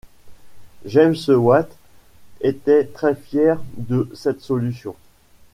James Watt était très fier de cette solution.